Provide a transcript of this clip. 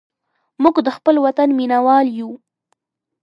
موږ د خپل وطن مینهوال یو.